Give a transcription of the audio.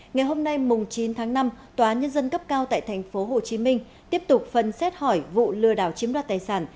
ngày hôm nay chín tháng năm tòa nhân dân cấp cao tại tp hcm tiếp tục phần xét hỏi vụ lừa đảo chiếm đoạt tài sản